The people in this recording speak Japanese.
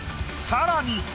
更に。